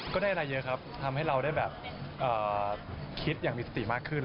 ก็ได้อะไรเยอะครับทำให้เราได้แบบคิดอย่างมีสติมากขึ้น